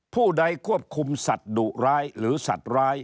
ผู้ใดควบคุมสัตว์ดุร้ายหรือสัตว์ร้าย